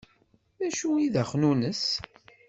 D acu i d axnunnes?